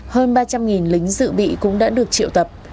hơn ba trăm linh lính dự bị cũng đã được triệu tập